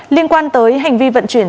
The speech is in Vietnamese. liên quan tới hành vi vận chuyển